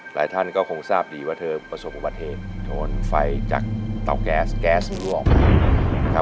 หลายท่านก็คงทราบดีว่าเธอประสบประเทศโทนไฟจากเตาแก๊สแก๊สร่วม